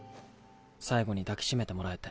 最後に抱き締めてもらえて。